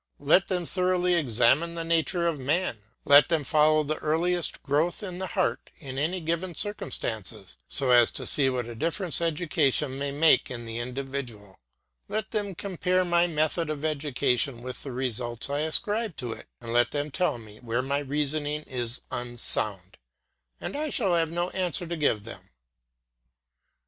Let them thoroughly examine the nature of man, let them follow the earliest growth of the heart in any given circumstances, so as to see what a difference education may make in the individual; then let them compare my method of education with the results I ascribe to it; and let them tell me where my reasoning is unsound, and I shall have no answer to give them.